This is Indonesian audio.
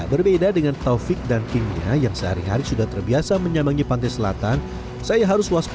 berbeda dengan taufik dan kimnya yang sehari hari sudah terbiasa menyambangi pantai selatan saya harus waspada